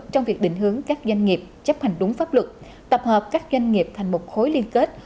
trong việc định hướng các doanh nghiệp chấp hành đúng pháp luật tập hợp các doanh nghiệp thành một khối liên kết